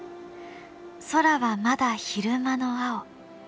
空はまだ昼間の青。